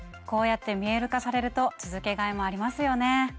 こうやって見える化されると続けがいもありますよね。